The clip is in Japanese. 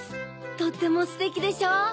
とってもステキでしょ！